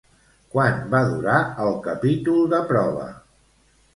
Quant va durar el capítol de prova?